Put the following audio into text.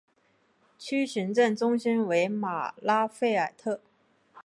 区行政中心为马拉费尔特。